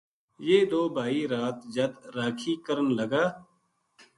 یہ دو بھائی رات جد راکھی کرن لگا